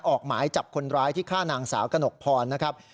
ออกหมายจับคนร้ายที่ฆ่านางสาวกระหนกพรนะครับ